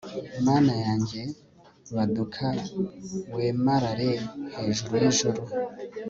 mana yanjye, baduka wemarare hejuru y'ijuru